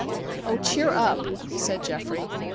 "Oh, cheer up," said Geoffrey.